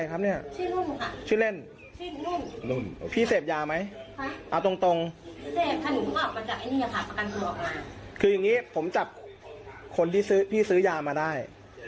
คือยังงี้ผมจับคนที่ซื้อยามาได้